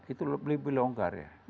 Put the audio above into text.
itu lebih longgar ya